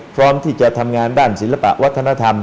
พร้อมที่จะทำงานด้านศิลปะวัฒนธรรม